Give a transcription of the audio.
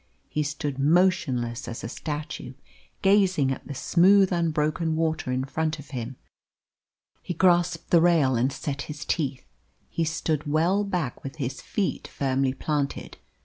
He stood motionless as a statue, gazing at the smooth unbroken water in front of him; he grasped the rail and set his teeth; he stood well back with his feet firmly planted.